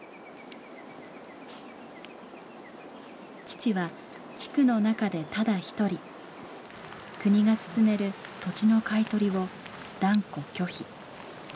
父は地区の中でただ一人国が進める土地の買い取りを断固拒否。